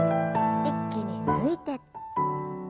一気に抜いて。